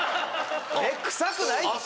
えっ臭くないって！